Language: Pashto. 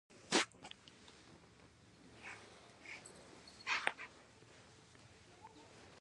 ښارونه د افغانستان د هیوادوالو لپاره ویاړ دی.